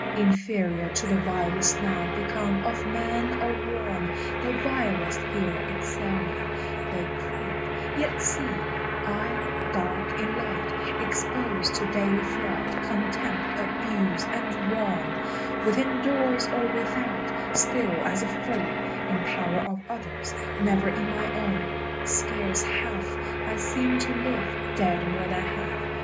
Inferior to the vilest now become Of man or worm; the vilest here excel me: They creep, yet see; I, dark in light, exposed To daily fraud, contempt, abuse, and wrong, Within doors or without, still as a fool, In power of others, never in my own; Scarce half I seem to live, dead more than half.